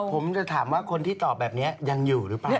ผมจะถามว่าคนที่ตอบแบบนี้ยังอยู่หรือเปล่า